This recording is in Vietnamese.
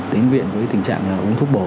đến viện với tình trạng là uống thuốc bổ